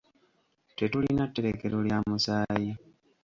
Tetulina tterekero lya musaayi.